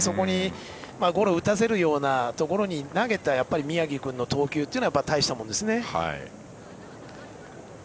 ゴロを打たせるようなところに投げた宮城君の投球はたいしたものですね。